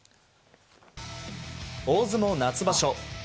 大相撲夏場所。